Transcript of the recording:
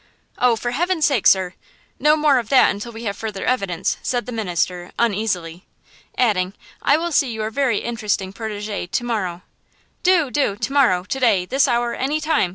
"Oh, for heaven's sake, sir! no more of that until we have further evidence," said the minister, uneasily, adding, "I will see your very interesting protégé to morrow." "Do, do! to morrow, to day, this hour, any time!"